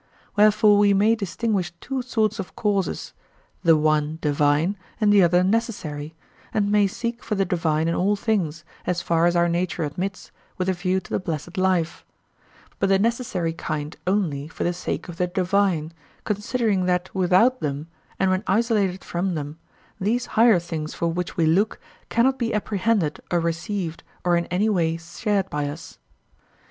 Wherefore we may distinguish two sorts of causes, the one divine and the other necessary, and may seek for the divine in all things, as far as our nature admits, with a view to the blessed life; but the necessary kind only for the sake of the divine, considering that without them and when isolated from them, these higher things for which we look cannot be apprehended or received or in any way shared by us.